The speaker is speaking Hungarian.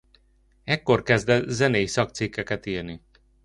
Ekkor kezdett zenei szakcikkeket írni.